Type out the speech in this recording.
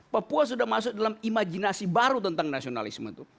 papua sudah masuk dalam imajinasi baru tentang nasionalisme itu